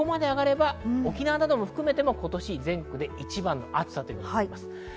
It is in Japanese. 沖縄などを含めても今年、全国で一番の暑さとなります。